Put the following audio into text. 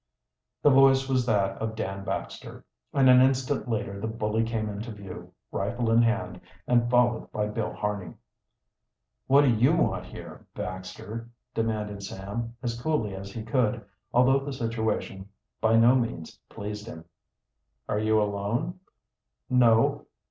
The voice was that of Dan Baxter, and an instant later the bully came into view, rifle in hand, and followed by Bill Harney. "What do you want here, Baxter?" demanded Sam, as coolly as he could, although the situation by no means pleased him. "Are you alone?" "No."